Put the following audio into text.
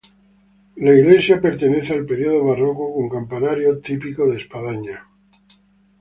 La iglesia parece pertenecer al período barroco, con campanario típico de espadaña.